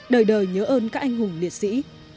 đời đời nhớ ơn các anh hùng liệt sĩ